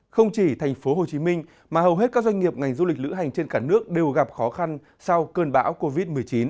không chỉ tp hcm mà hầu hết các doanh nghiệp ngành du lịch lữ hành trên cả nước đều gặp khó khăn sau cơn bão covid một mươi chín